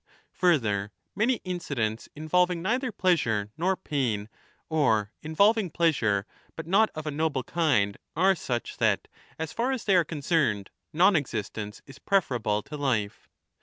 Further, many incidents involving neither pleasure nor pain or involv ing pleasure but not of a noble kind are such that, as far as 25 they are concerned, non existence is preferable to life.